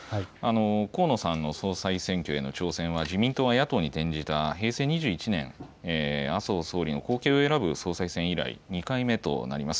河野さんの総裁選挙への挑戦は自民党が野党に転じた平成２１年、麻生総理の後継を選ぶ総裁選以来２回目となります。